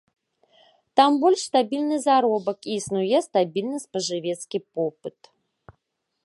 Там больш стабільны заробак і існуе стабільны спажывецкі попыт.